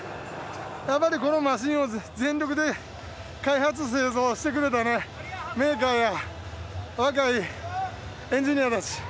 やっぱりこのマシーンを全力で開発・製造してくれたメーカーや若いエンジニアたち。